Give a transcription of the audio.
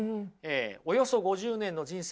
およそ５０年の人生